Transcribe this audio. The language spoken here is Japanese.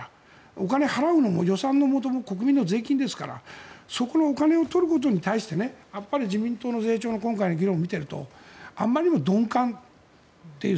お金を払うのも予算のもとも国民の税金ですからそこのお金を取ることに対して自民党の税調の今回の議論を見ているとあまりにも鈍感という。